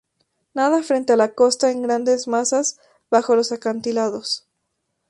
Nada frente a la costa en grandes masas bajo los acantilados.